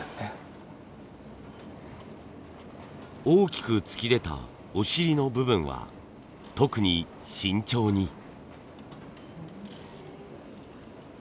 大きく突き出たお尻の部分は特に慎重に。